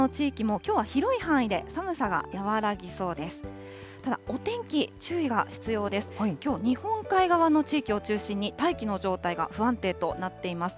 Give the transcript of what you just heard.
きょう、日本海側の地域を中心に大気の状態が不安定となっています。